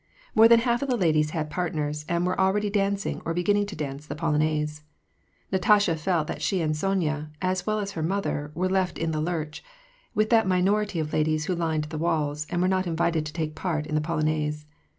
More than half of the ladies had partners, and were already dancing or beginning to dance the polonaise. Natasha felt that she and Sonya, as well as her mother, were left in the lurch, with that minority of ladies who lined the walls, and were not invited to take part in the polonaise.